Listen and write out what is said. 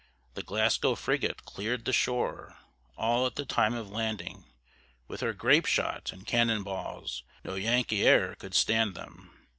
The Glasgow frigate clear'd the shore, All at the time of landing, With her grape shot and cannon balls, No Yankee e'er could stand them.